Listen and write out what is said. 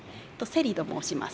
セリと申します。